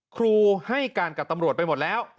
ครูกำลังให้กับตำรวจไปหมดแล้ว